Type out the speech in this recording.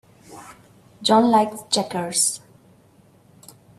John likes checkers.